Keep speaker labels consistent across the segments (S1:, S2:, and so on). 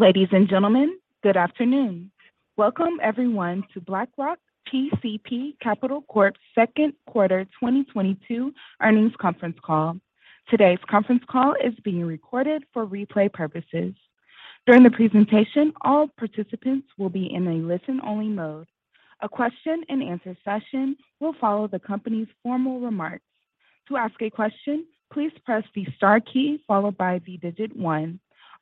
S1: Ladies and gentlemen, good afternoon. Welcome everyone to BlackRock TCP Capital Corp.'s second quarter 2022 earnings conference call. Today's conference call is being recorded for replay purposes. During the presentation, all participants will be in a listen-only mode. A question-and-answer session will follow the company's formal remarks. To ask a question, please press the star key followed by the digit one.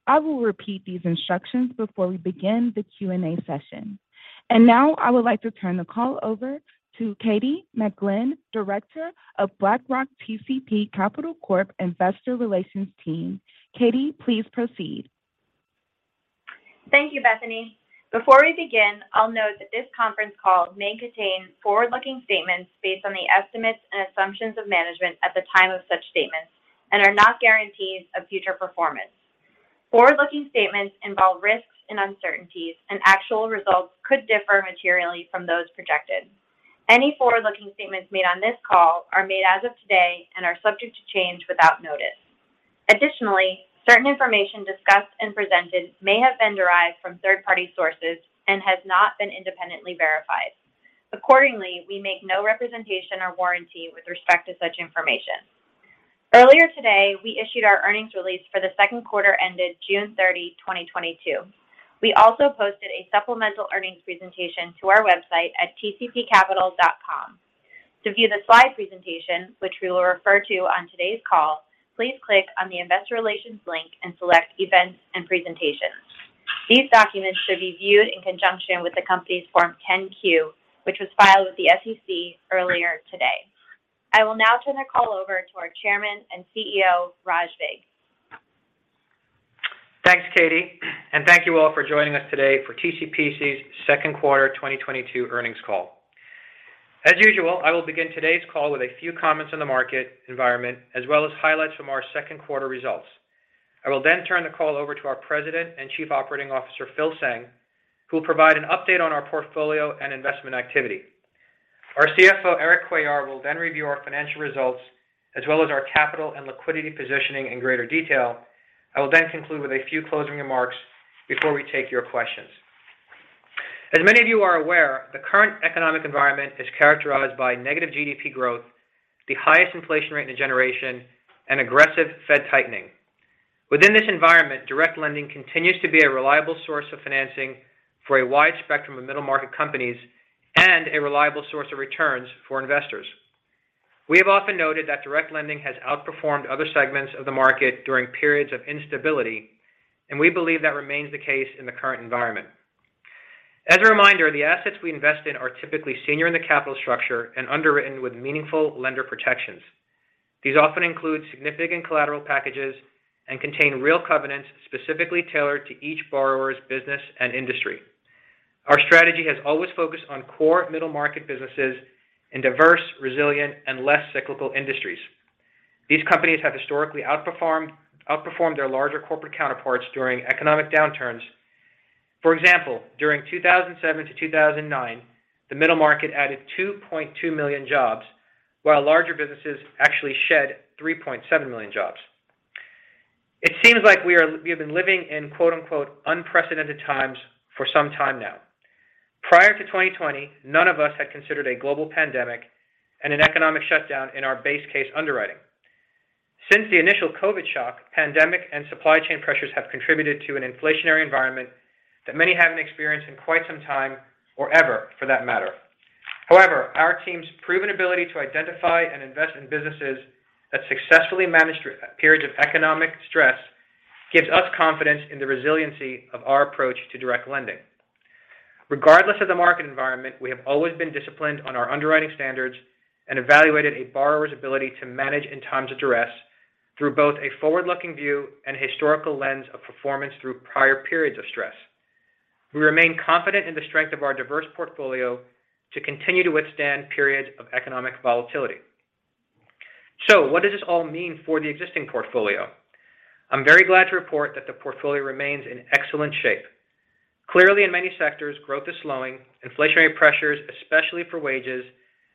S1: I will repeat these instructions before we begin the Q&A session. Now I would like to turn the call over to Katie McGlynn, Director of BlackRock TCP Capital Corp Investor Relations Team. Katie, please proceed.
S2: Thank you, Bethany. Before we begin, I'll note that this conference call may contain forward-looking statements based on the estimates and assumptions of management at the time of such statements and are not guarantees of future performance. Forward-looking statements involve risks and uncertainties, and actual results could differ materially from those projected. Any forward-looking statements made on this call are made as of today and are subject to change without notice. Additionally, certain information discussed and presented may have been derived from third-party sources and has not been independently verified. Accordingly, we make no representation or warranty with respect to such information. Earlier today, we issued our earnings release for the second quarter ended June 30, 2022. We also posted a supplemental earnings presentation to our website at tcpcapital.com. To view the slide presentation, which we will refer to on today's call, please click on the Investor Relations link and select Events and Presentations. These documents should be viewed in conjunction with the company's Form 10-Q, which was filed with the SEC earlier today. I will now turn the call over to our Chairman and CEO, Raj Vig.
S3: Thanks, Katie, and thank you all for joining us today for TCPC's second quarter 2022 earnings call. As usual, I will begin today's call with a few comments on the market environment, as well as highlights from our second quarter results. I will then turn the call over to our President and Chief Operating Officer, Phil Tseng, who will provide an update on our portfolio and investment activity. Our CFO, Erik Cuellar, will then review our financial results as well as our capital and liquidity positioning in greater detail. I will then conclude with a few closing remarks before we take your questions. As many of you are aware, the current economic environment is characterized by negative GDP growth, the highest inflation rate in a generation, and aggressive Fed tightening. Within this environment, direct lending continues to be a reliable source of financing for a wide spectrum of middle market companies and a reliable source of returns for investors. We have often noted that direct lending has outperformed other segments of the market during periods of instability, and we believe that remains the case in the current environment. As a reminder, the assets we invest in are typically senior in the capital structure and underwritten with meaningful lender protections. These often include significant collateral packages and contain real covenants specifically tailored to each borrower's business and industry. Our strategy has always focused on core middle market businesses in diverse, resilient, and less cyclical industries. These companies have historically outperformed their larger corporate counterparts during economic downturns. For example, during 2007 to 2009, the middle market added 2.2 million jobs, while larger businesses actually shed 3.7 million jobs. It seems like we have been living in quote unquote unprecedented times for some time now. Prior to 2020, none of us had considered a global pandemic and an economic shutdown in our base case underwriting. Since the initial COVID shock, pandemic and supply chain pressures have contributed to an inflationary environment that many haven't experienced in quite some time, or ever for that matter. However, our team's proven ability to identify and invest in businesses that successfully managed periods of economic stress gives us confidence in the resiliency of our approach to direct lending. Regardless of the market environment, we have always been disciplined on our underwriting standards and evaluated a borrower's ability to manage in times of duress through both a forward-looking view and historical lens of performance through prior periods of stress. We remain confident in the strength of our diverse portfolio to continue to withstand periods of economic volatility. What does this all mean for the existing portfolio? I'm very glad to report that the portfolio remains in excellent shape. Clearly, in many sectors, growth is slowing. Inflationary pressures, especially for wages,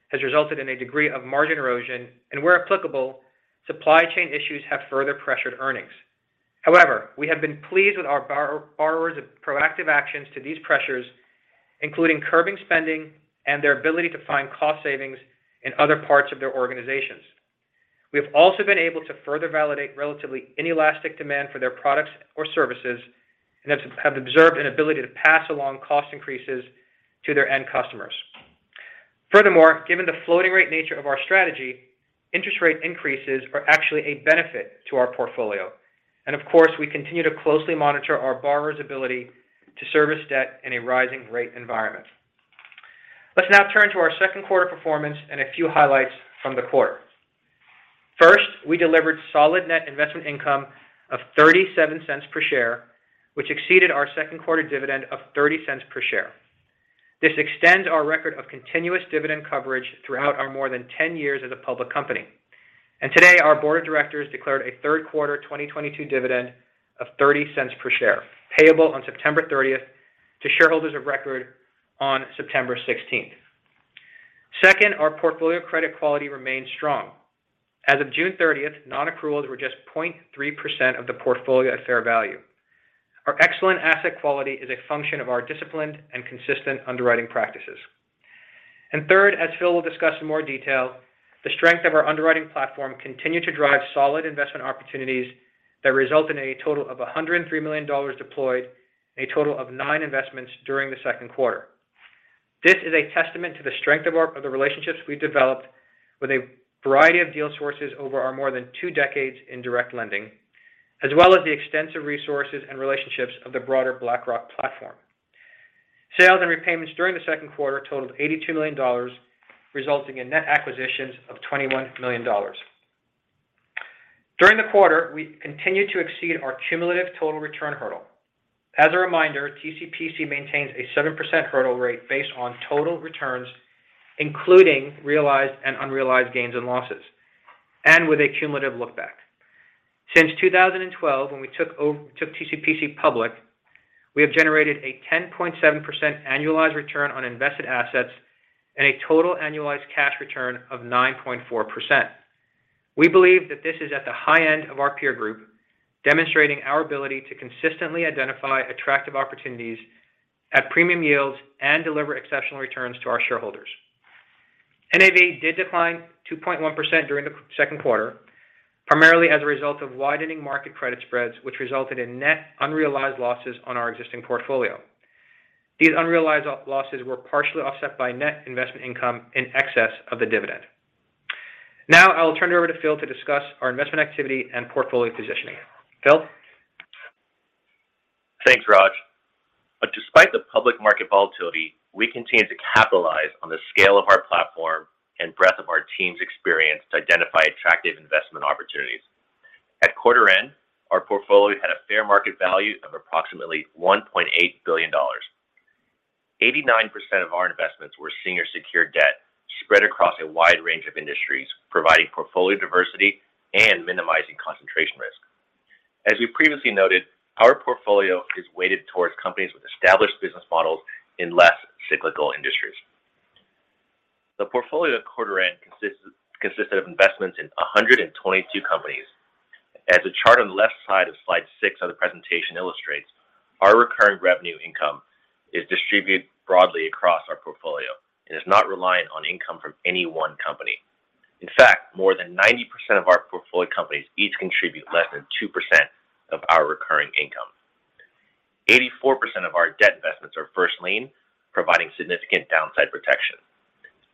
S3: has resulted in a degree of margin erosion. Where applicable, supply chain issues have further pressured earnings. However, we have been pleased with our borrowers' proactive actions to these pressures, including curbing spending and their ability to find cost savings in other parts of their organizations. We have also been able to further validate relatively inelastic demand for their products or services, and have observed an ability to pass along cost increases to their end customers. Furthermore, given the floating rate nature of our strategy, interest rate increases are actually a benefit to our portfolio. Of course, we continue to closely monitor our borrowers' ability to service debt in a rising rate environment. Let's now turn to our second quarter performance and a few highlights from the quarter. First, we delivered solid net investment income of $0.37 per share, which exceeded our second quarter dividend of $0.30 per share. This extends our record of continuous dividend coverage throughout our more than 10 years as a public company. Today, our board of directors declared a third quarter 2022 dividend of $0.30 per share, payable on September 30 to shareholders of record on September 16. Second, our portfolio credit quality remains strong. As of June 30, non-accruals were just 0.3% of the portfolio at fair value. Our excellent asset quality is a function of our disciplined and consistent underwriting practices. Third, as Phil will discuss in more detail, the strength of our underwriting platform continued to drive solid investment opportunities that result in a total of $103 million deployed in a total of nine investments during the second quarter. This is a testament to the strength of the relationships we've developed with a variety of deal sources over our more than two decades in direct lending, as well as the extensive resources and relationships of the broader BlackRock platform. Sales and repayments during the second quarter totaled $82 million, resulting in net acquisitions of $21 million. During the quarter, we continued to exceed our cumulative total return hurdle. As a reminder, TCPC maintains a 7% hurdle rate based on total returns, including realized and unrealized gains and losses, and with a cumulative look back. Since 2012, when we took TCPC public, we have generated a 10.7% annualized return on invested assets and a total annualized cash return of 9.4%. We believe that this is at the high end of our peer group, demonstrating our ability to consistently identify attractive opportunities at premium yields and deliver exceptional returns to our shareholders. NAV did decline 2.1% during the second quarter, primarily as a result of widening market credit spreads, which resulted in net unrealized losses on our existing portfolio. These unrealized losses were partially offset by net investment income in excess of the dividend. Now, I will turn it over to Phil to discuss our investment activity and portfolio positioning. Phil?
S4: Thanks, Raj. Despite the public market volatility, we continue to capitalize on the scale of our platform and breadth of our team's experience to identify attractive investment opportunities. At quarter end, our portfolio had a fair market value of approximately $1.8 billion. 89% of our investments were senior secured debt spread across a wide range of industries, providing portfolio diversity and minimizing concentration risk. As we previously noted, our portfolio is weighted towards companies with established business models in less cyclical industries. The portfolio at quarter end consisted of investments in 122 companies. As the chart on the left side of slide six of the presentation illustrates, our recurring revenue income is distributed broadly across our portfolio and is not reliant on income from any one company. In fact, more than 90% of our portfolio companies each contribute less than 2% of our recurring income. 84% of our debt investments are first lien, providing significant downside protection,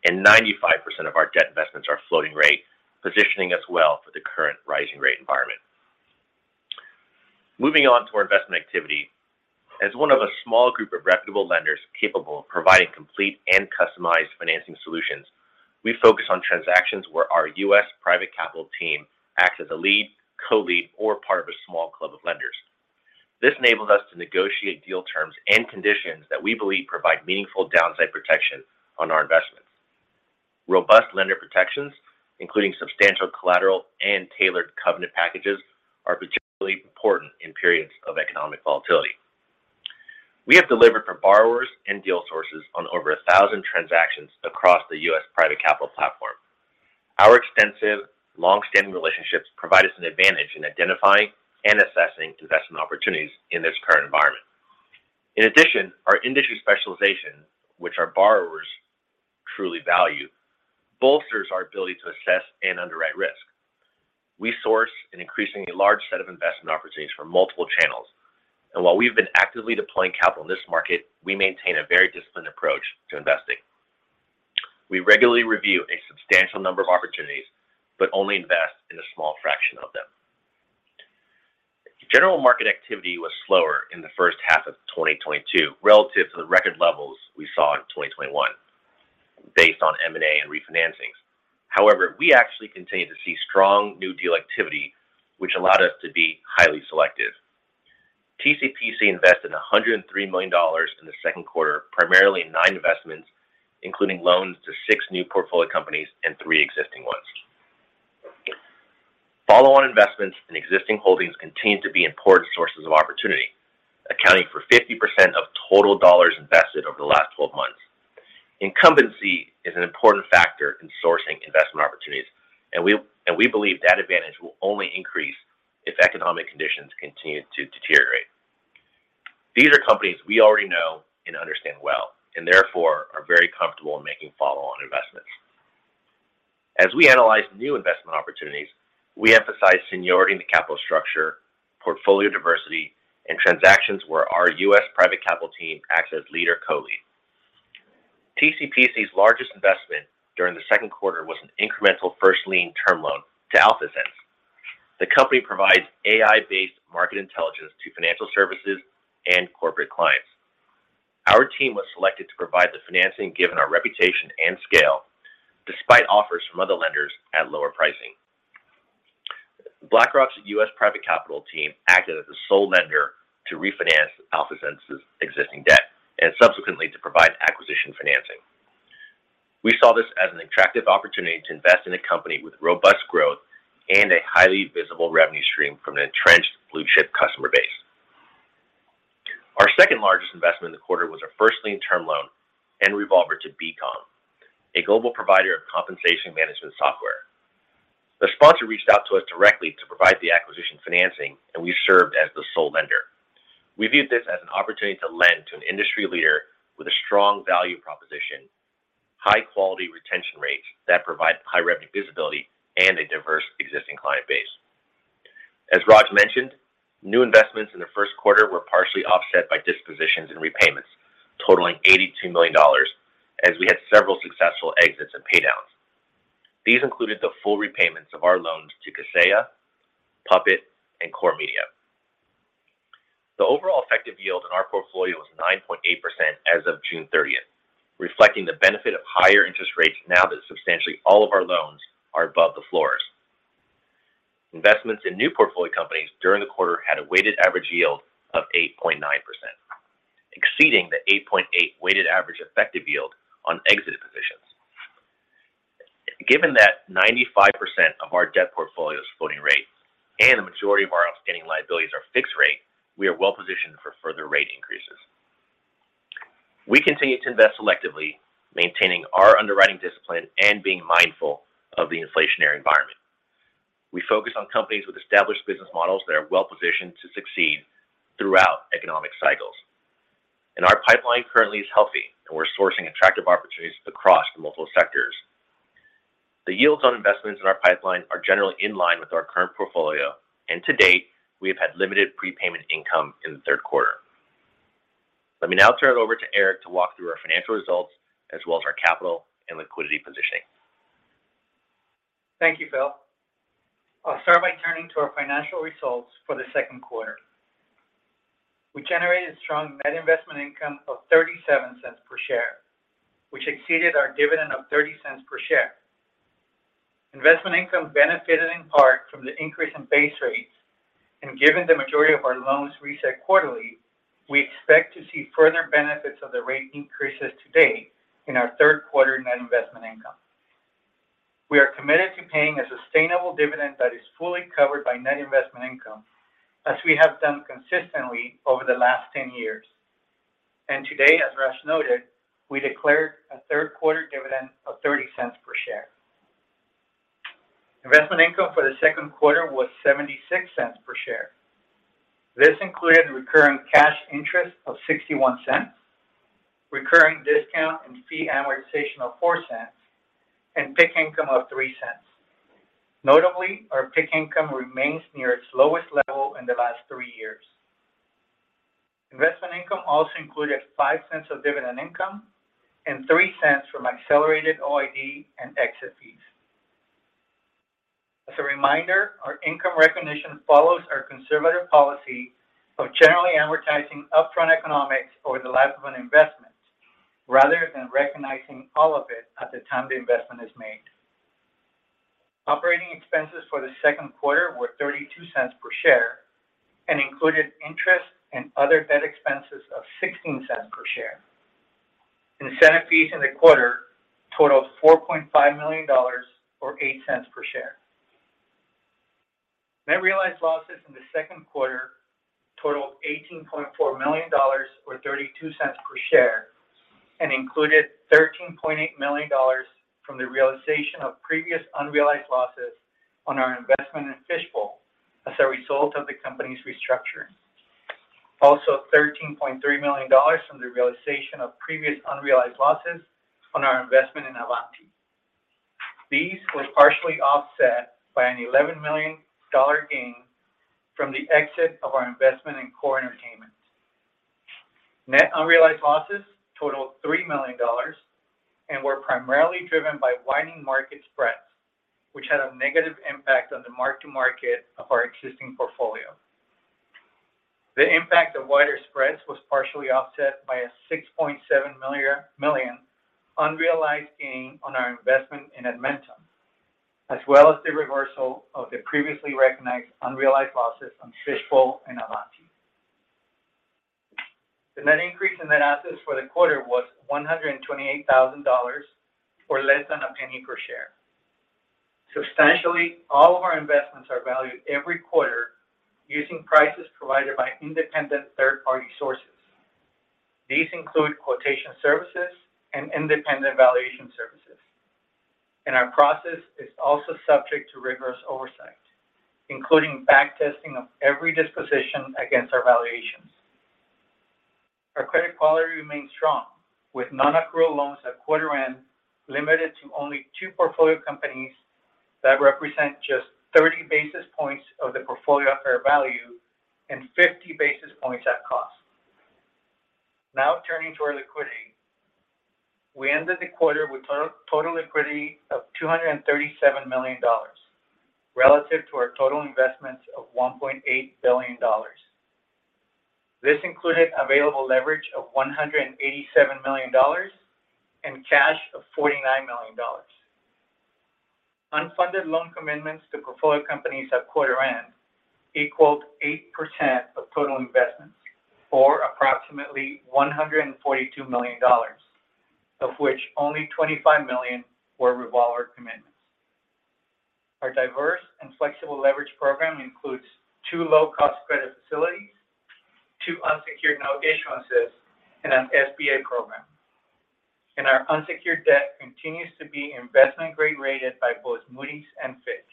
S4: and 95% of our debt investments are floating rate, positioning us well for the current rising rate environment. Moving on to our investment activity. As one of a small group of reputable lenders capable of providing complete and customized financing solutions, we focus on transactions where our U.S. Private Capital team acts as a lead, co-lead, or part of a small club of lenders. This enables us to negotiate deal terms and conditions that we believe provide meaningful downside protection on our investments. Robust lender protections, including substantial collateral and tailored covenant packages, are particularly important in periods of economic volatility. We have delivered for borrowers and deal sources on over 1,000 transactions across the U.S. Private Capital platform. Our extensive long-standing relationships provide us an advantage in identifying and assessing investment opportunities in this current environment. In addition, our industry specialization, which our borrowers truly value, bolsters our ability to assess and underwrite risk. We source an increasingly large set of investment opportunities from multiple channels. While we've been actively deploying capital in this market, we maintain a very disciplined approach to investing. We regularly review a substantial number of opportunities, but only invest in a small fraction of them. General market activity was slower in the first half of 2022 relative to the record levels we saw in 2021 based on M&A and refinancings. However, we actually continue to see strong new deal activity, which allowed us to be highly selective. TCPC invested $103 million in the second quarter, primarily in nine investments, including loans to six new portfolio companies and three existing ones. Follow-on investments in existing holdings continue to be important sources of opportunity, accounting for 50% of total dollars invested over the last 12 months. Incumbency is an important factor in sourcing investment opportunities, and we believe that advantage will only increase if economic conditions continue to deteriorate. These are companies we already know and understand well, and therefore are very comfortable in making follow-on investments. As we analyze new investment opportunities, we emphasize seniority in the capital structure, portfolio diversity, and transactions where our U.S. Private Capital team acts as leader, co-lead. TCPC's largest investment during the second quarter was an incremental first lien term loan to AlphaSense. The company provides AI-based market intelligence to financial services and corporate clients. Our team was selected to provide the financing given our reputation and scale, despite offers from other lenders at lower pricing. BlackRock's U.S. Private Capital team acted as the sole lender to refinance AlphaSense's existing debt and subsequently to provide acquisition financing. We saw this as an attractive opportunity to invest in a company with robust growth and a highly visible revenue stream from an entrenched blue-chip customer base. Our second largest investment in the quarter was our first lien term loan and revolver to Beqom, a global provider of compensation management software. The sponsor reached out to us directly to provide the acquisition financing, and we served as the sole lender. We viewed this as an opportunity to lend to an industry leader with a strong value proposition, high quality retention rates that provide high revenue visibility and a diverse existing client base. As Raj mentioned, new investments in the first quarter were partially offset by dispositions and repayments totaling $82 million as we had several successful exits and pay downs. These included the full repayments of our loans to Kaseya, Puppet, and Core Media. The overall effective yield on our portfolio was 9.8% as of June 30, reflecting the benefit of higher interest rates now that substantially all of our loans are above the floors. Investments in new portfolio companies during the quarter had a weighted average yield of 8.9%, exceeding the 8.8% weighted average effective yield on exited positions. Given that 95% of our debt portfolio is floating rate and the majority of our outstanding liabilities are fixed rate, we are well positioned for further rate increases. We continue to invest selectively, maintaining our underwriting discipline and being mindful of the inflationary environment. We focus on companies with established business models that are well-positioned to succeed throughout economic cycles. Our pipeline currently is healthy, and we're sourcing attractive opportunities across multiple sectors. The yields on investments in our pipeline are generally in line with our current portfolio, and to date, we have had limited prepayment income in the third quarter. Let me now turn it over to Erik to walk through our financial results as well as our capital and liquidity positioning.
S5: Thank you, Phil. I'll start by turning to our financial results for the second quarter. We generated strong net investment income of $0.37 per share, which exceeded our dividend of $0.30 per share. Investment income benefited in part from the increase in base rates. Given the majority of our loans reset quarterly, we expect to see further benefits of the rate increases to date in our third quarter net investment income. We are committed to paying a sustainable dividend that is fully covered by net investment income, as we have done consistently over the last 10 years. Today, as Raj noted, we declared a third quarter dividend of $0.30 per share. Investment income for the second quarter was $0.76 per share. This included recurring cash interest of $0.61, recurring discount and fee amortization of $0.04, and PIK income of $0.03. Notably, our PIK income remains near its lowest level in the last three years. Investment income also included $0.05 of dividend income and $0.03 from accelerated OID and exit fees. As a reminder, our income recognition follows our conservative policy of generally amortizing upfront economics over the life of an investment rather than recognizing all of it at the time the investment is made. Operating expenses for the second quarter were $0.32 per share and included interest and other debt expenses of $0.16 per share. Incentive fees in the quarter totaled $4.5 million or $0.08 per share. Net realized losses in the second quarter totaled $18.4 million or $0.32 per share and included $13.8 million from the realization of previous unrealized losses on our investment in Fishbowl as a result of the company's restructuring. Also, $13.3 million from the realization of previous unrealized losses on our investment in Avanti. These were partially offset by an $11 million gain from the exit of our investment in Core Entertainment. Net unrealized losses totaled $3 million and were primarily driven by widening market spreads, which had a negative impact on the mark-to-market of our existing portfolio. The impact of wider spreads was partially offset by a $6.7 million unrealized gain on our investment in Edmentum, as well as the reversal of the previously recognized unrealized losses on Fishbowl and Avanti. The net increase in net assets for the quarter was $128,000 or less than $0.01 per share. Substantially all of our investments are valued every quarter using prices provided by independent third-party sources. These include quotation services and independent valuation services. Our process is also subject to rigorous oversight, including back-testing of every disposition against our valuations. Our credit quality remains strong with non-accrual loans at quarter-end limited to only two portfolio companies that represent just 30 basis points of the portfolio at fair value and 50 basis points at cost. Now turning to our liquidity. We ended the quarter with total liquidity of $237 million relative to our total investments of $1.8 billion. This included available leverage of $187 million and cash of $49 million. Unfunded loan commitments to portfolio companies at quarter end equaled 8% of total investments, or approximately $142 million, of which only $25 million were revolver commitments. Our diverse and flexible leverage program includes two low-cost credit facilities, two unsecured note issuances, and an SBA program. Our unsecured debt continues to be investment-grade rated by both Moody's and Fitch.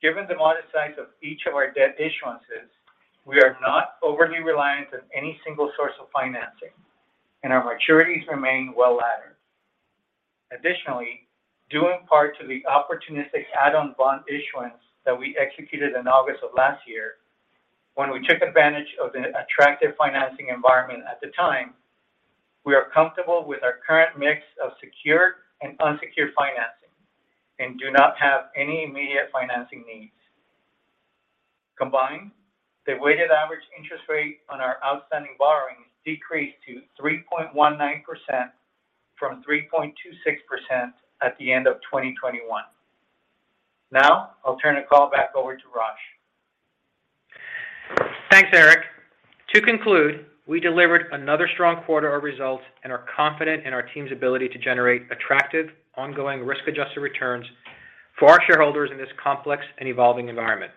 S5: Given the modest size of each of our debt issuances, we are not overly reliant on any single source of financing, and our maturities remain well laddered. Additionally, due in part to the opportunistic add-on bond issuance that we executed in August of last year when we took advantage of the attractive financing environment at the time, we are comfortable with our current mix of secured and unsecured financing and do not have any immediate financing needs. Combined, the weighted average interest rate on our outstanding borrowings decreased to 3.19% from 3.26% at the end of 2021. Now I'll turn the call back over to Raj.
S3: Thanks, Erik. To conclude, we delivered another strong quarter of results and are confident in our team's ability to generate attractive ongoing risk-adjusted returns for our shareholders in this complex and evolving environment.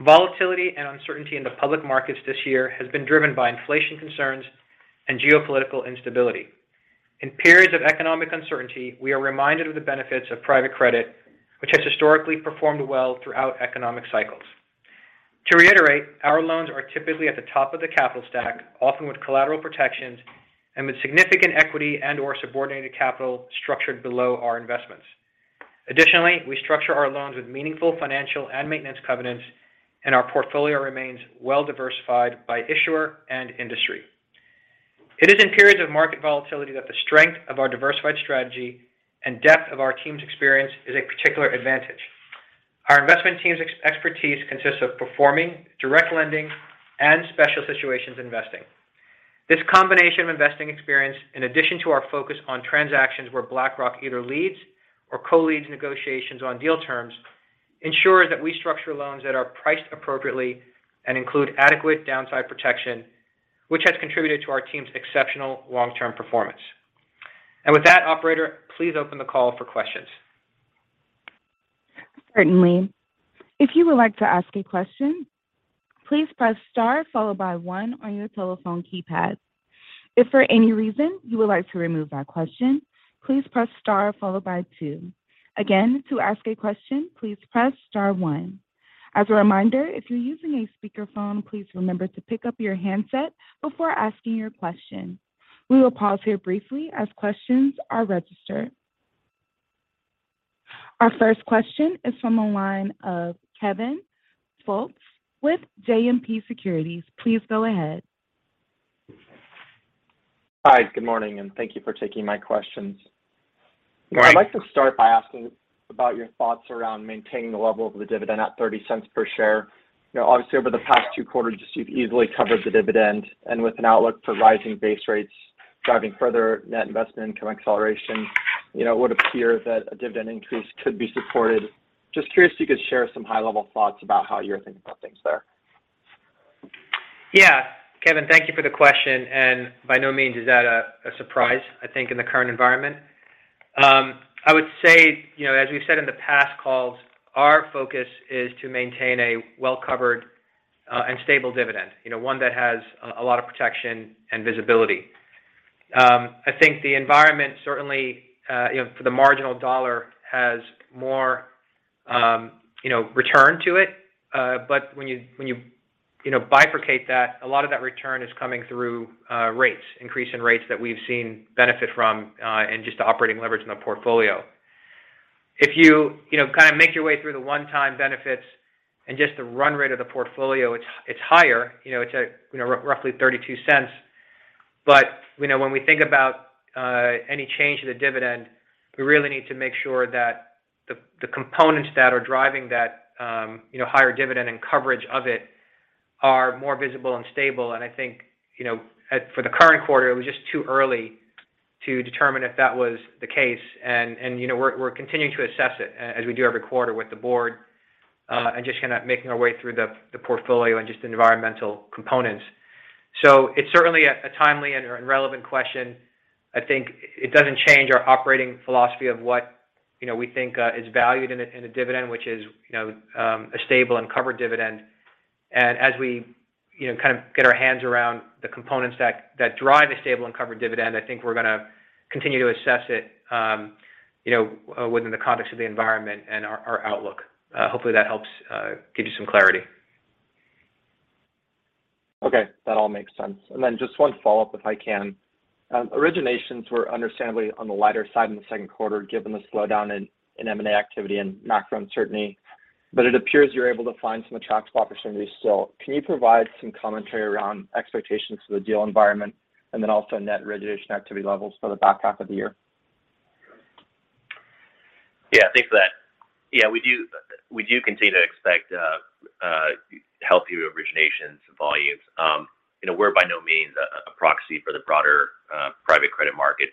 S3: Volatility and uncertainty in the public markets this year has been driven by inflation concerns and geopolitical instability. In periods of economic uncertainty, we are reminded of the benefits of private credit, which has historically performed well throughout economic cycles. To reiterate, our loans are typically at the top of the capital stack, often with collateral protections and with significant equity and/or subordinated capital structured below our investments. Additionally, we structure our loans with meaningful financial and maintenance covenants, and our portfolio remains well diversified by issuer and industry. It is in periods of market volatility that the strength of our diversified strategy and depth of our team's experience is a particular advantage. Our investment team's expertise consists of performing direct lending and special situations investing. This combination of investing experience, in addition to our focus on transactions where BlackRock either leads or co-leads negotiations on deal terms, ensures that we structure loans that are priced appropriately and include adequate downside protection, which has contributed to our team's exceptional long-term performance. With that, operator, please open the call for questions.
S1: Certainly. If you would like to ask a question, please press star followed by one on your telephone keypad. If for any reason you would like to remove that question, please press star followed by two. Again, to ask a question, please press star one. As a reminder, if you're using a speakerphone, please remember to pick up your handset before asking your question. We will pause here briefly as questions are registered. Our first question is from the line of Kevin Fultz with JMP Securities. Please go ahead.
S6: Hi. Good morning, and thank you for taking my questions.
S3: Yeah.
S6: I'd like to start by asking about your thoughts around maintaining the level of the dividend at $0.30 per share. You know, obviously over the past two quarters, you've easily covered the dividend. With an outlook for rising base rates driving further net investment income acceleration, you know, it would appear that a dividend increase could be supported. Just curious if you could share some high-level thoughts about how you're thinking about things there.
S3: Yeah. Kevin, thank you for the question, and by no means is that a surprise, I think, in the current environment. I would say, you know, as we've said in the past calls, our focus is to maintain a well-covered and stable dividend, you know, one that has a lot of protection and visibility. I think the environment certainly, you know, for the marginal dollar has more, you know, return to it. But when you know, bifurcate that, a lot of that return is coming through rates, increase in rates that we've seen benefit from, and just operating leverage in the portfolio. If you know, kind of make your way through the one-time benefits and just the run rate of the portfolio, it's higher, you know, to, you know, roughly $0.32. You know, when we think about any change to the dividend, we really need to make sure that the components that are driving that, you know, higher dividend and coverage of it are more visible and stable. I think, you know, for the current quarter, it was just too early to determine if that was the case. you know, we're continuing to assess it as we do every quarter with the board, and just kind of making our way through the portfolio and just environmental components. It's certainly a timely and relevant question. I think it doesn't change our operating philosophy of what, you know, we think is valued in a dividend, which is, you know, a stable and covered dividend. As we, you know, kind of get our hands around the components that drive a stable and covered dividend, I think we're gonna continue to assess it, you know, within the context of the environment and our outlook. Hopefully that helps give you some clarity.
S6: Okay. That all makes sense. Just one follow-up, if I can. Originations were understandably on the lighter side in the second quarter, given the slowdown in M&A activity and macro uncertainty, but it appears you're able to find some attractive opportunities still. Can you provide some commentary around expectations for the deal environment and then also net origination activity levels for the back half of the year?
S4: Yeah. Thanks for that. We do continue to expect healthy originations volumes. You know, we're by no means a proxy for the broader private credit market.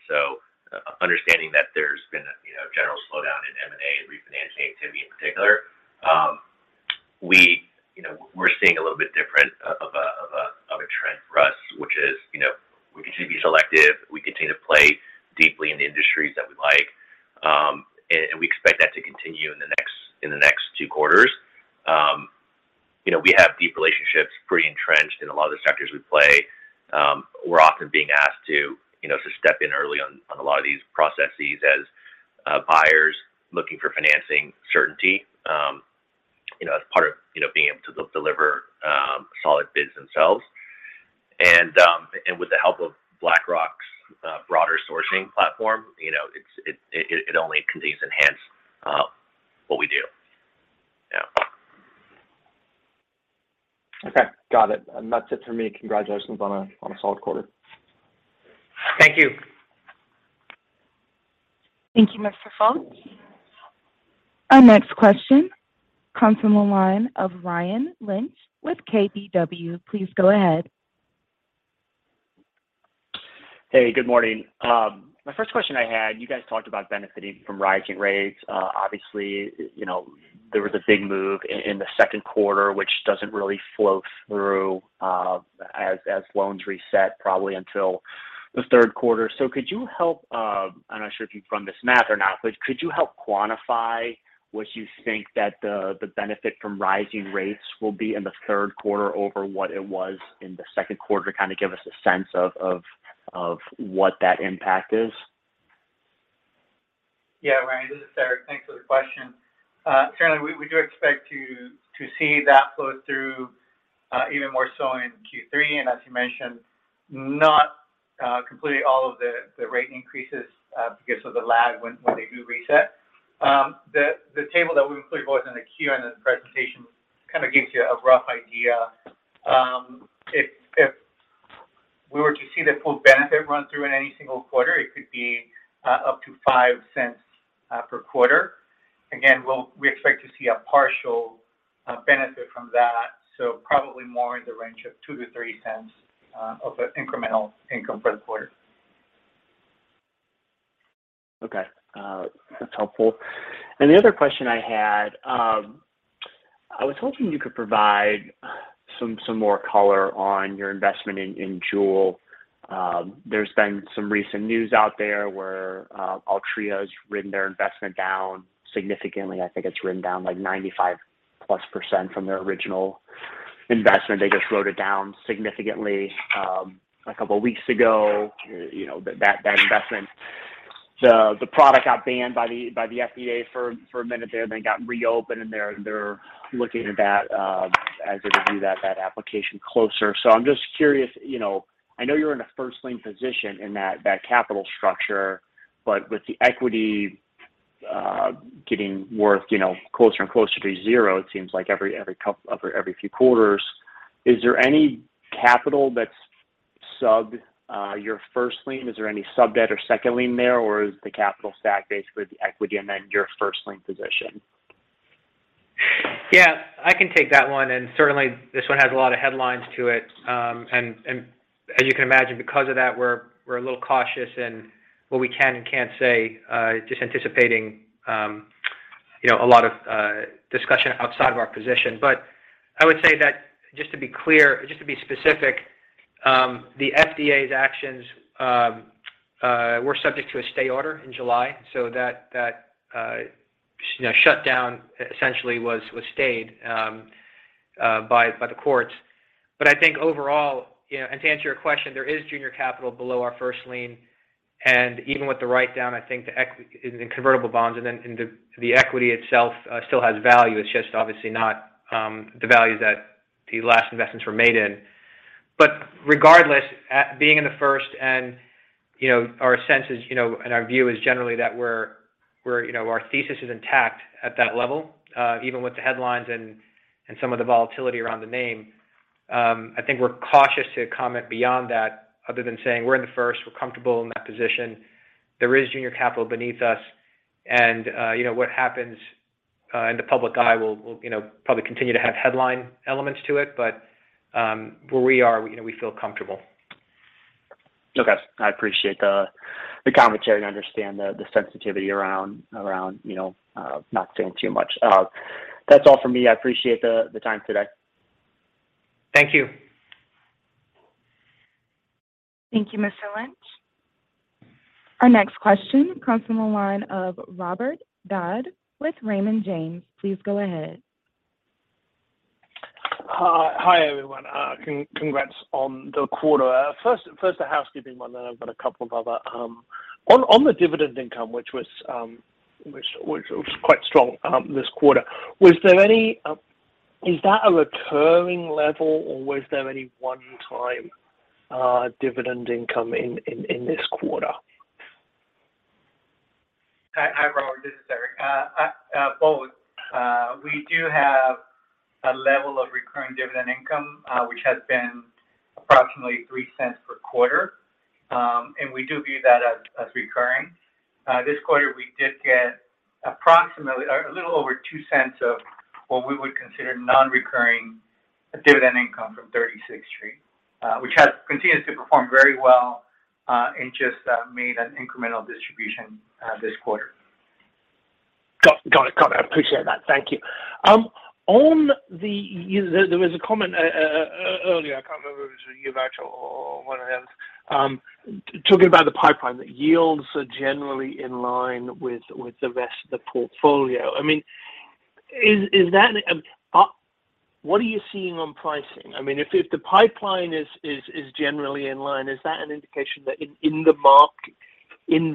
S4: Understanding that there's been a you know, general slowdown in M&A and refinancing activity in particular, you know, we're seeing a little bit different of a trend for us, which is, we continue to be selective, we continue to play deeply in the industries that we like. We expect that to continue in the next two quarters. You know, we have deep relationships pretty entrenched in a lot of the sectors we play. We're often being asked to, you know, to step in early on a lot of these processes as buyers looking for financing certainty, you know, as part of, you know, being able to deliver solid bids themselves. With the help of BlackRock's broader sourcing platform, you know, it only enhances what we do. Yeah.
S6: Okay. Got it. That's it for me. Congratulations on a solid quarter.
S3: Thank you.
S1: Thank you, Mr. Fultz. Our next question comes from the line of Ryan Lynch with KBW. Please go ahead.
S7: Hey, good morning. My first question I had, you guys talked about benefiting from rising rates. Obviously, you know, there was a big move in the second quarter, which doesn't really flow through, as loans reset probably until the third quarter. Could you help, I'm not sure if you've run this math or not, but could you help quantify what you think that the benefit from rising rates will be in the third quarter over what it was in the second quarter? Kinda give us a sense of what that impact is.
S5: Yeah, Ryan, this is Erik. Thanks for the question. Certainly, we do expect to see that flow through, even more so in Q3. As you mentioned, not completely all of the rate increases, because of the lag when they do reset. The table that we've included both in the Q and in the presentation kind of gives you a rough idea. If we were to see the full benefit run through in any single quarter, it could be up to $0.05 per quarter. Again, we expect to see a partial benefit from that, so probably more in the range of $0.02-$0.03 of incremental income per quarter.
S7: Okay. That's helpful. The other question I had. I was hoping you could provide some more color on your investment in Juul. There's been some recent news out there where Altria's written their investment down significantly. I think it's written down like 95%+ from their original investment. They just wrote it down significantly, a couple weeks ago. You know, that investment. The product got banned by the FDA for a minute there, and then it got reopened, and they're looking at that, as they review that application closer. I'm just curious, you know. I know you're in a first lien position in that capital structure, but with the equity getting worthless, you know, closer and closer to zero it seems like every few quarters, is there any capital that's sub to your first lien? Is there any sub-debt or second lien there, or is the capital stack basically the equity and then your first lien position?
S3: Yeah. I can take that one. Certainly this one has a lot of headlines to it. As you can imagine, because of that, we're a little cautious in what we can and can't say, just anticipating, you know, a lot of discussion outside of our position. I would say that just to be clear, just to be specific, the FDA's actions were subject to a stay order in July so that shut down essentially was stayed by the courts. I think overall, you know, and to answer your question, there is junior capital below our first lien. Even with the write down, I think the equity in the convertible bonds and then in the equity itself still has value. It's just obviously not the value that the last investments were made in. Regardless, being in the first and, you know, our sense is, you know, and our view is generally that we're, you know, our thesis is intact at that level, even with the headlines and some of the volatility around the name. I think we're cautious to comment beyond that other than saying we're in the first, we're comfortable in that position. There is junior capital beneath us and, you know, what happens in the public eye will, you know, probably continue to have headline elements to it. Where we are, you know, we feel comfortable.
S7: Okay. I appreciate the commentary and understand the sensitivity around, you know, not saying too much. That's all for me. I appreciate the time today.
S3: Thank you.
S1: Thank you, Mr. Lynch. Our next question comes from the line of Robert Dodd with Raymond James. Please go ahead.
S8: Hi. Hi, everyone. Congrats on the quarter. First, a housekeeping one, then I've got a couple of other. On the dividend income which was quite strong this quarter, is that a recurring level, or was there any one-time dividend income in this quarter?
S5: Hi, Robert, this is Erik. Both. We do have a level of recurring dividend income, which has been approximately $0.03 per quarter. We do view that as recurring. This quarter we did get approximately or a little over $0.02 of what we would consider non-recurring dividend income from 36th Street, which has continued to perform very well, and just made an incremental distribution, this quarter.
S8: Appreciate that. Thank you. There was a comment earlier, I can't remember if it was you, Raj or one of the others, talking about the pipeline. The yields are generally in line with the rest of the portfolio. I mean, is that what you are seeing on pricing? I mean, if the pipeline is generally in line, is that an indication that in the market, in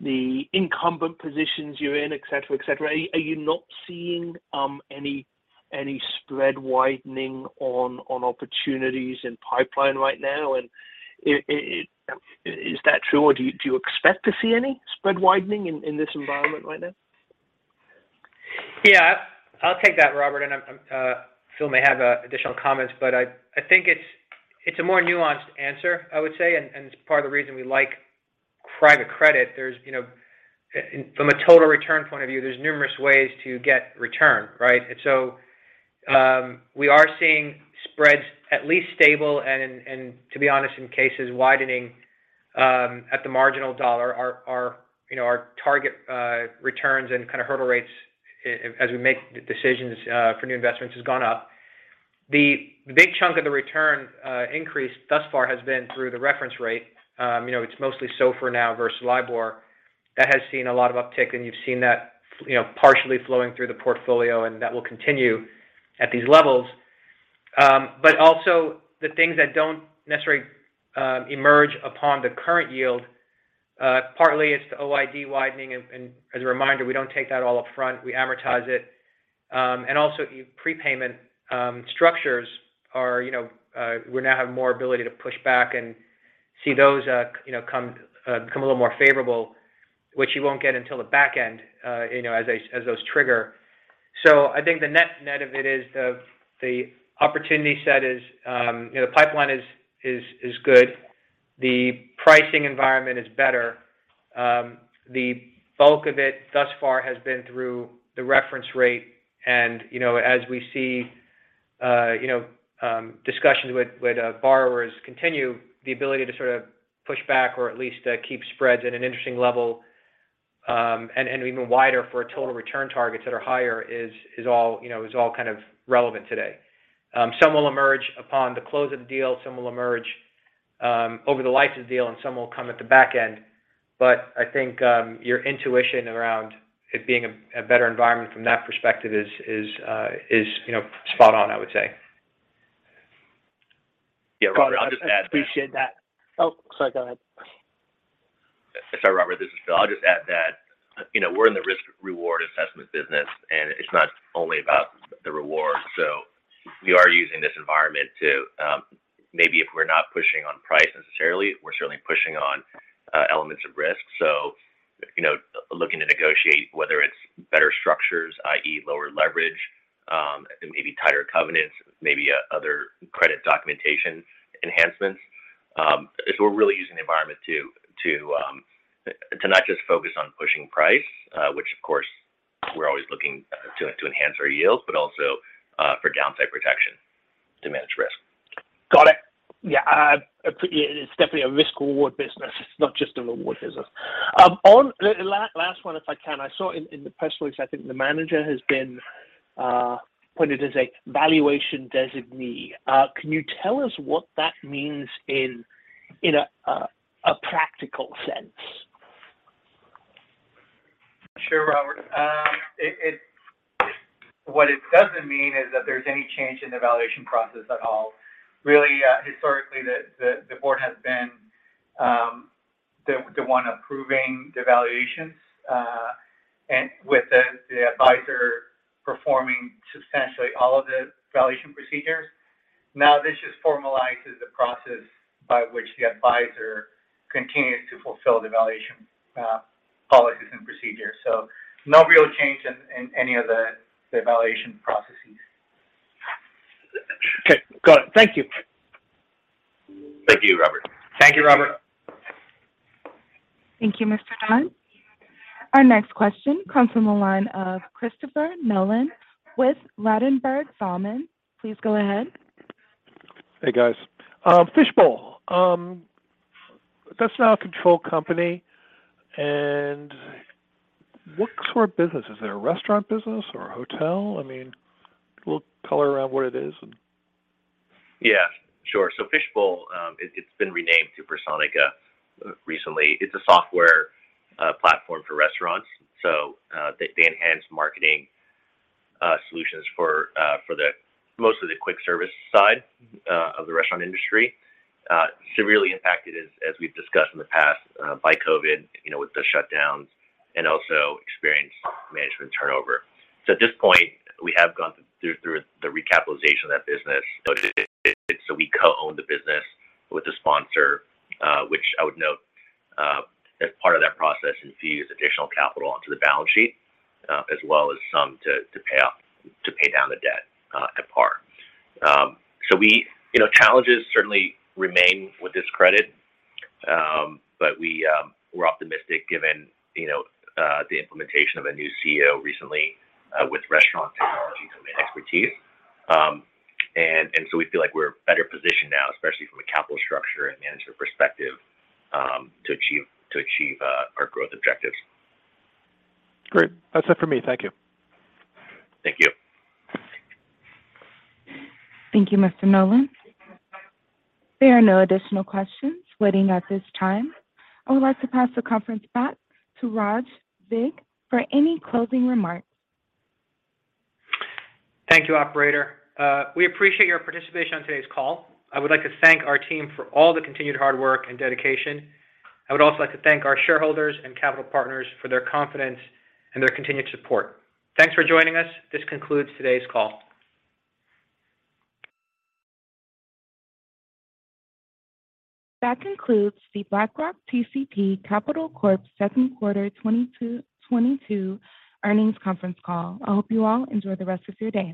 S8: the incumbent positions you're in, et cetera, et cetera, are you not seeing any spread widening on opportunities in pipeline right now? Is that true, or do you expect to see any spread widening in this environment right now?
S3: Yeah. I'll take that, Robert. Phil may have additional comments, but I think it's a more nuanced answer, I would say, and it's part of the reason we like private credit. There's you know, from a total return point of view, there's numerous ways to get return, right? We are seeing spreads at least stable and to be honest, in cases widening at the marginal dollar. Our you know, our target returns and kind of hurdle rates as we make decisions for new investments has gone up. The big chunk of the return increase thus far has been through the reference rate. You know, it's mostly SOFR now versus LIBOR. That has seen a lot of uptick, and you've seen that, you know, partially flowing through the portfolio, and that will continue at these levels. Also the things that don't necessarily emerge upon the current yield, partly it's the OID widening. As a reminder, we don't take that all up front. We amortize it. Also prepayment structures are, you know. We now have more ability to push back and see those become a little more favorable, which you won't get until the back end, you know, as those trigger. I think the net-net of it is the opportunity set is, you know, the pipeline is good. The pricing environment is better. The bulk of it thus far has been through the reference rate. You know, as we see, discussions with borrowers continue, the ability to sort of push back or at least keep spreads at an interesting level, and even wider for total return targets that are higher is all kind of relevant today. Some will emerge upon the close of the deal, some will emerge over the life of the deal, and some will come at the back end. I think your intuition around it being a better environment from that perspective is spot on, I would say.
S4: Yeah, Robert, I'll just add that-
S8: Appreciate that. Oh, sorry. Go ahead.
S4: Sorry, Robert. This is Phil. I'll just add that, you know, we're in the risk-reward assessment business, and it's not only about the reward. We are using this environment to maybe if we're not pushing on price necessarily, we're certainly pushing on elements of risk. You know, looking to negotiate, whether it's better structures, i.e. lower leverage, maybe tighter covenants, maybe other credit documentation enhancements. We're really using the environment to not just focus on pushing price, which of course we're always looking to enhance our yields, but also for downside protection to manage risk.
S8: Got it. Yeah. It's definitely a risk-reward business. It's not just a reward business. Last one, if I can. I saw in the press release, I think the manager has been appointed as a valuation designee. Can you tell us what that means in a practical sense?
S3: Sure, Robert. What it doesn't mean is that there's any change in the valuation process at all. Really, historically, the board has been the one approving the valuations, and with the advisor performing substantially all of the valuation procedures. Now, this just formalizes the process by which the advisor continues to fulfill the valuation policies and procedures. No real change in any of the valuation processes.
S8: Okay. Got it. Thank you.
S4: Thank you, Robert.
S3: Thank you, Robert.
S1: Thank you, Mr. Dodd. Our next question comes from the line of Christopher Nolan with Ladenburg Thalmann. Please go ahead.
S9: Hey, guys. Fishbowl, that's now a controlled company. What sort of business? Is it a restaurant business or a hotel? I mean, a little color around what it is.
S4: Yeah, sure. Fishbowl, it's been renamed to Personica recently. It's a software platform for restaurants. They enhance marketing solutions for most of the quick service side of the restaurant industry. Severely impacted as we've discussed in the past by COVID, you know, with the shutdowns and also executive management turnover. At this point, we have gone through the recapitalization of that business. We co-own the business with the sponsor, which I would note, as part of that process and fee is additional capital onto the balance sheet, as well as some to pay down the debt at par. You know, challenges certainly remain with this credit. We're optimistic given, you know, the implementation of a new CEO recently, with restaurant technology and expertise. We feel like we're better positioned now, especially from a capital structure and management perspective, to achieve our growth objectives.
S9: Great. That's it for me. Thank you.
S4: Thank you.
S1: Thank you, Mr. Nolan. There are no additional questions waiting at this time. I would like to pass the conference back to Raj Vig for any closing remarks.
S3: Thank you, operator. We appreciate your participation on today's call. I would like to thank our team for all the continued hard work and dedication. I would also like to thank our shareholders and capital partners for their confidence and their continued support. Thanks for joining us. This concludes today's call.
S1: That concludes the BlackRock TCP Capital Corp.'s second quarter 2022 earnings conference call. I hope you all enjoy the rest of your day.